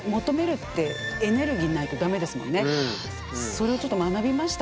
それをちょっと学びましたわ。